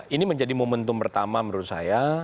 ini menjadi momentum pertama menurut saya